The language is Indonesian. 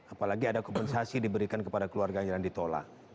apalagi ada kompensasi diberikan kepada keluarganya dan ditolak